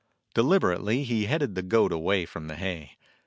Deliberately he headed the goat away from the hay.